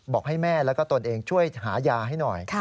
บอกให้แม่แล้วก็ตนเองช่วยหายาให้หน่อย